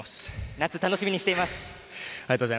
夏、楽しみにしています。